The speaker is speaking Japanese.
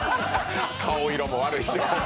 顔色も悪いし。